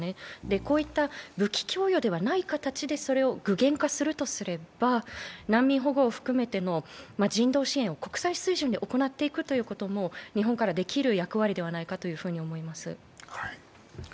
こういった武器供与ではない形でそれを具現化するとすれば、難民保護を含めての人道支援を国際水準で行っていくということも日本からできる役割ではないかと思います。